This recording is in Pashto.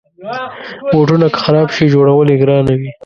بوټونه که خراب شي، جوړول یې ګرانه وي.